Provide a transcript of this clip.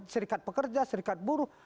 serikat pekerja serikat buruh